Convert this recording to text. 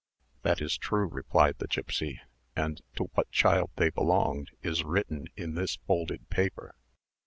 "That is true," replied the gipsy, "and to what child they belonged is written in this folded paper."